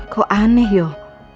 kok aneh yuk